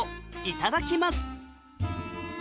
いただきます。